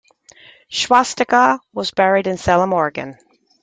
Schwatka was buried in Salem, Oregon.